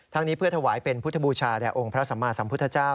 นี้เพื่อถวายเป็นพุทธบูชาแด่องค์พระสัมมาสัมพุทธเจ้า